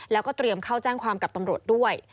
แล้วก็เตรียมเข้าแจ้งความกับตำรวจด้วย